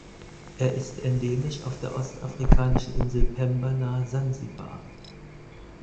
Er ist endemisch auf der ostafrikanischen Insel Pemba nahe Sansibar.